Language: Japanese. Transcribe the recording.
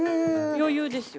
余裕ですよ。